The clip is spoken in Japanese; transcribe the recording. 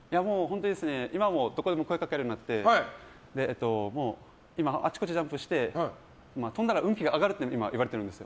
今、どこでも声をかけられるようになってもう今、あちこちジャンプして跳んだら運気が上がるって言われてるんですよ。